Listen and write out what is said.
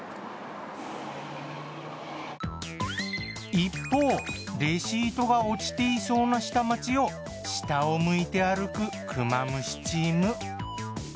一方レシートが落ちていそうな下町を下を向いて歩くクマムシチーム。